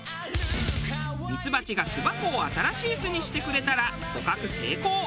ミツバチが巣箱を新しい巣にしてくれたら捕獲成功。